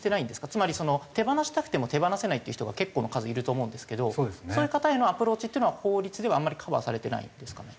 つまり手放したくても手放せないっていう人が結構な数いると思うんですけどそういう方へのアプローチっていうのは法律ではあんまりカバーされてないんですかね？